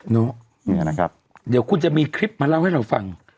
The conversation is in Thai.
นี่นะครับเดี๋ยวคุณจะมีคลิปมาเล่าให้เราฟัง